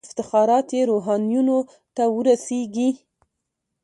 افتخارات یې روحانیونو ته ورسیږي.